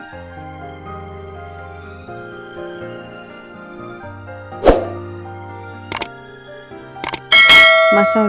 masa udah cerita tentang kasus keselamatan